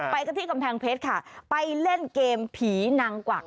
ไปกันที่กำแพงเพชรค่ะไปเล่นเกมผีนางกวัก